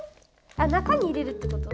あ中に入れるってこと？